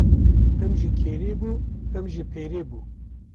Him ji kerê bû him ji perê bû.